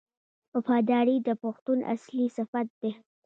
وفاداري د پښتون اصلي صفت دی.